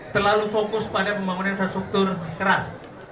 selalu fokus pada pembangunan infrastruktur keras